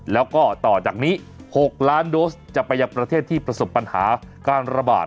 แล้วก็ต่อจากนี้๖ล้านโดสจะไปยังประเทศที่ประสบปัญหาการระบาด